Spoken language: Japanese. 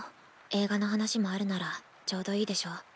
映画の話もあるならちょうどいいでしょ？